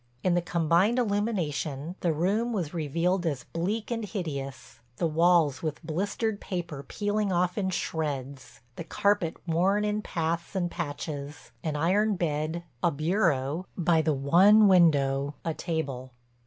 In the combined illumination the room was revealed as bleak and hideous, the walls with blistered paper peeling off in shreds, the carpet worn in paths and patches, an iron bed, a bureau, by the one window, a table.